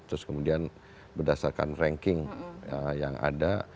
terus kemudian berdasarkan ranking yang ada